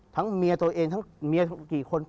ทั้งเมียตัวเองทั้งเมียทั้งกี่คน